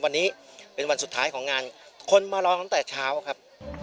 วันนี้เป็นวันสุดท้ายของงานคนมารอตั้งแต่เช้าครับ